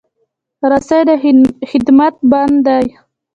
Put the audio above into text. رسۍ د خدمت بنده ده.